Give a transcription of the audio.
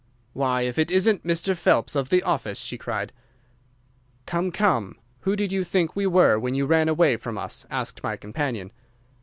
"'Why, if it isn't Mr. Phelps, of the office!' she cried. "'Come, come, who did you think we were when you ran away from us?' asked my companion.